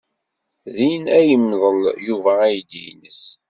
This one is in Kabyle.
Din ay yemḍel Yuba aydi-nnes.